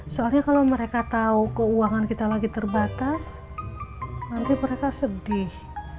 soalnya kalau mereka tahu keuangan kita lagi terbatas nanti mereka sedih